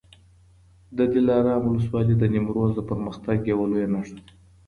د دلارام ولسوالي د نیمروز د پرمختګ یوه لویه نښه ده.